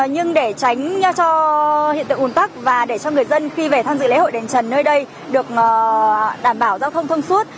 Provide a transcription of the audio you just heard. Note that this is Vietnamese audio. nhưng để tránh cho hiện tượng ủn tắc và để cho người dân khi về tham dự lễ hội đền trần nơi đây được đảm bảo giao thông thông suốt